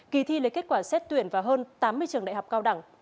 kỳ thi lấy kết quả xét tuyển vào hơn tám mươi trường đại học cao đẳng